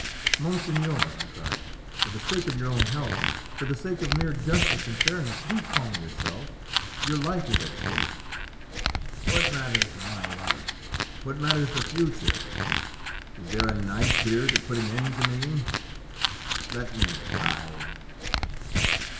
"Monseigneur," I cried, "for the sake of your own health, for the sake of mere justice and fairness, do calm yourself; your life is at stake." "What matters my life? what matters the future? Is there a knife here to put an end to me? Let me die!"